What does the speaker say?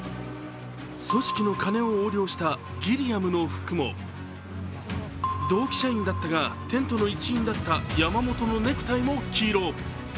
組織の金を横領したギリアムの服も、同期社員だったがテントの一員だった山本のネクタイも黄色。